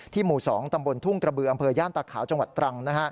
หมู่๒ตำบลทุ่งกระบืออำเภอย่านตาขาวจังหวัดตรัง